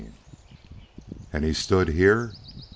X "AND HE STOOD HERE?"